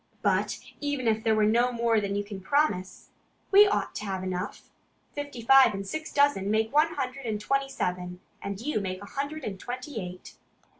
"But even if there were no more than you can promise, we ought to have enough. Fifty five and six dozen make one hundred and twenty seven; and you make one hundred and twenty eight."